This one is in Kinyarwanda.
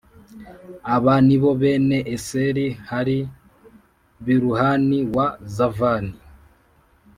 Aba ni bo bene Eseri hari Biluhani na Zavani